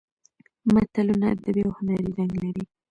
متلونه ادبي او هنري رنګ لري